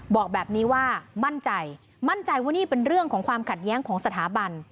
บอกแบบนี้ว่ามั่นใจมั่นใจว่านี่เป็นเรื่องของความขัดแย้งของสถาบัน